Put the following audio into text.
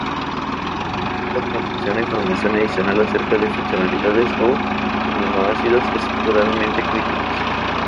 Esta proporciona información adicional acerca de funcionalidades o de aminoácidos estructuralmente críticos.